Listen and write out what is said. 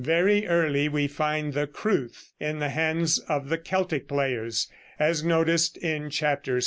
Very early we find the crwth in the hands of the Celtic players, as noticed in chapter VI.